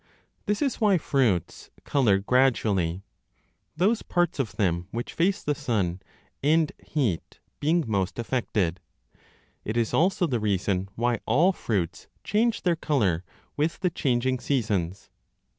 This is why fruits colour gradually, those parts of them which face the sun and heat being most affected ; it is also the reason why all fruits change their colour with the changing seasons.